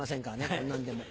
こんなんで。